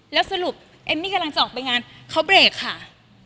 แล้วสรุปเอมมี่กำลังจะออกไปงานเขาเบรกค่ะ